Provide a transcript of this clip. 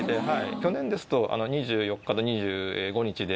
去年ですと２４日と２５日で。